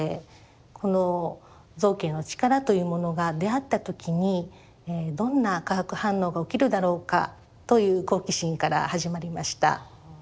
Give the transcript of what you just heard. この造形の力というものが出会ったときにどんな化学反応が起きるだろうかという好奇心から始まりました。